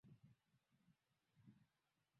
watu hao waligundua kuwa siyo muda wa kupumzika